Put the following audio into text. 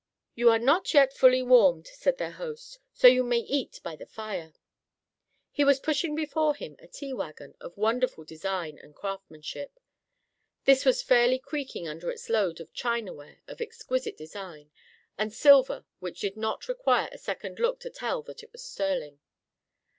"You are not yet fully warmed," said their host, "so you may eat by the fire." He was pushing before him a tea wagon of wonderful design and craftsmanship. This was fairly creaking under its load of chinaware of exquisite design, and silver which did not require a second look to tell that it was sterling.